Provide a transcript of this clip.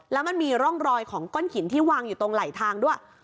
แล้วมันมีร่องรอยของก้อนหินที่วางอยู่ตรงไหลทางด้วย